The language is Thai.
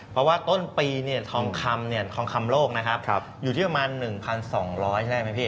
เพราะว่าต้นปีทองคำโลกนะครับอยู่ที่ประมาณ๑๒๐๐ใช่ไหมพี่